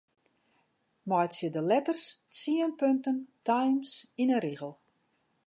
Meitsje de letters tsien punten Times yn 'e rigel.